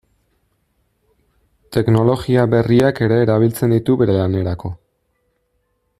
Teknologia berriak ere erabiltzen ditu bere lanerako.